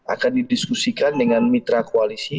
akan didiskusikan dengan mitra koalisi